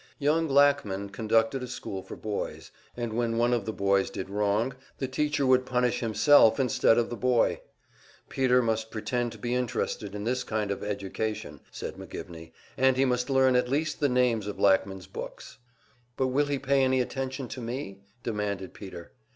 Young Lackman conducted a school for boys, and when one of the boys did wrong, the teacher would punish himself instead of the boy! Peter must pretend to be interested in this kind of "education," said McGivney, and he must learn at least the names of Lackman's books. "But will he pay any attention to me?" demanded Peter.